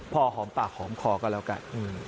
พอหอมปากหอมคอก็แล้วกัน